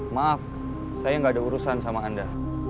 maaf saya nggak ada urusan sama anda